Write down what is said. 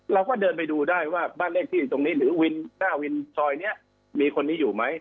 เราก็เดินไปดูได้ว่าบ้านเลขที่ตรงนี้หรือวินหน้าวินซอยนี้มีคนนี้อยู่ไหม